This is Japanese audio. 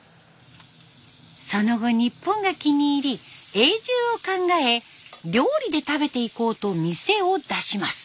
その後日本が気に入り永住を考え料理で食べていこうと店を出します。